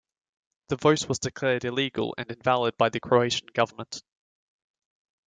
The vote was declared illegal and invalid by the Croatian government.